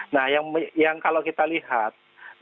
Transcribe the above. nah yang kalau kita lihat